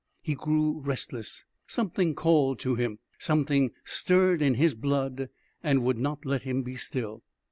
He grew restless. Something called to him; something stirred in his blood and would not let him be still.